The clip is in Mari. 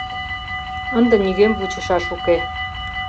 — Ынде нигӧм вучышаш уке.